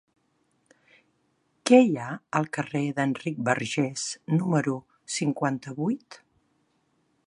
Què hi ha al carrer d'Enric Bargés número cinquanta-vuit?